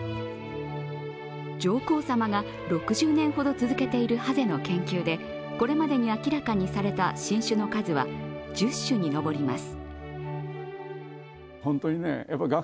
上皇さまが６０年ほど続けているハゼの研究で、これまでに明らかにされた新種の数は１０種に上ります。